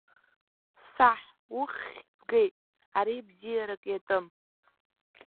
Саҳ, уххь згеит, ари бзиарак иатәым!